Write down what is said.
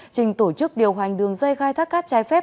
trình tổ chức điều hành đường dây khai thác cát trái phép